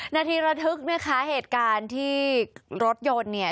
นาทีระทึกนะคะเหตุการณ์ที่รถยนต์เนี่ย